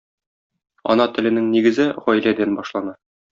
Ана теленең нигезе гаиләдән башлана.